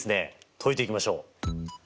解いていきましょう！